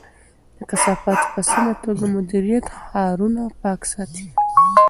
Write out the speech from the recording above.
د کثافاتو په سمه توګه مدیریت ښارونه پاک ساتي.